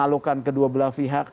kemalukan kedua belah pihak